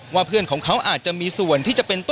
ว่าเพื่อนของเขาอาจจะมีส่วนที่จะเป็นต้นเหตุ